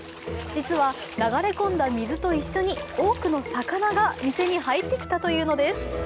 実は、流れ込んだ水と一緒に多くの魚が店に入ってきたというのです。